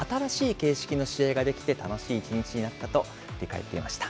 新しい形式の試合ができて楽しい１日になったと振り返っていました。